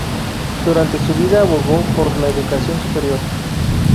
Durante su vida abogó por la educación superior.